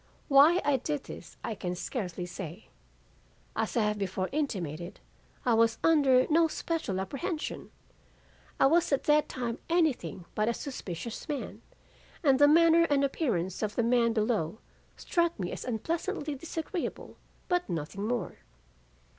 "Why I did this I can scarcely say. As I have before intimated, I was under no special apprehension. I was at that time anything but a suspicious man, and the manner and appearance of the men below struck me as unpleasantly disagreeable but nothing more.